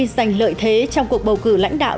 dành lợi thế trong cuộc bầu cử lãnh đạo